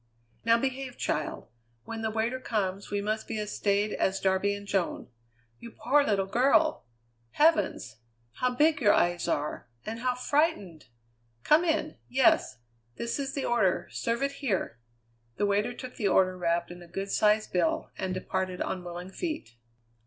"Now behave, child! When the waiter comes we must be as staid as Darby and Joan. You poor little girl! Heavens! how big your eyes are, and how frightened! Come in! Yes. This is the order; serve it here." The waiter took the order wrapped in a good sized bill, and departed on willing feet.